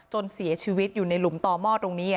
เสียชีวิตอยู่ในหลุมต่อหม้อตรงนี้